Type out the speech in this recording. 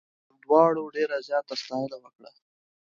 دواړو ډېره زیاته ستاینه وکړه.